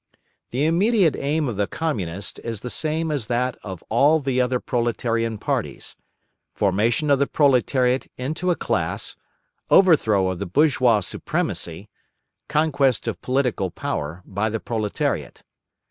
The immediate aim of the Communist is the same as that of all the other proletarian parties: formation of the proletariat into a class, overthrow of the bourgeois supremacy, conquest of political power by the proletariat.